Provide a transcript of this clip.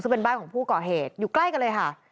ซึ่งเป็นบ้านของผู้ก่อเหตุอยู่ใกล้กันเลยค่ะ